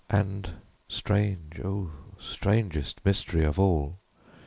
And (strange, oh, strangest mystery of all!)